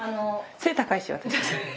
背高いし私。